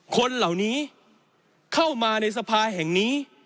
คนเหล่านี้เข้ามาในสภาแห่งนี้